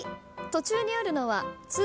途中にあるのは「つ」